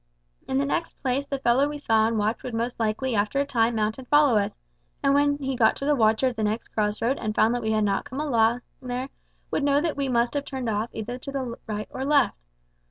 In the next place the fellow we saw on watch would most likely after a time mount and follow us, and when he got to the watcher at the next crossroad and found that we had not come along there would know that we must have turned off either to the right or left.